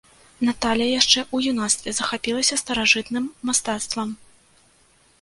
Наталля яшчэ ў юнацтве захапілася старажытным мастацтвам.